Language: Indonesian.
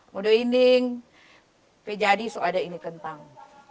modo inding menjadi seperti ini kentang